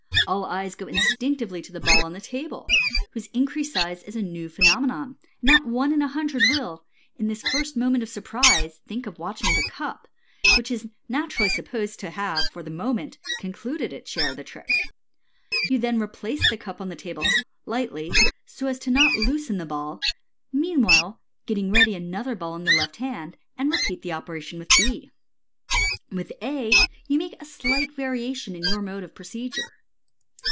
All eyes go instinc tively to the ball on the table, whose increased size is a new phenomenon, and not one in a hundred will, in this first moment of surprise, think of watching the cup, which is naturally supposed to have, for the moment, concluded its share of the trick. You re place the cup on the table lightly, so as not to loosen the ball, mean while getting ready another ball in the left hand, and repeat the operation with B. With A you make a slight variation in your mode of procedure.